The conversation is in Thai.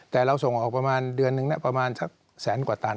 แต่เราส่งออกประมาณเดือนนึงประมาณสักแสนกว่าตัน